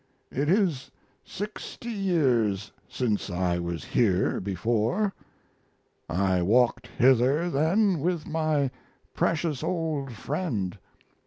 It is sixty years since I was here before. I walked hither then with my precious old friend.